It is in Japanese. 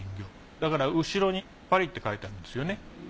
だから後ろにパリって書いてあるんですよね。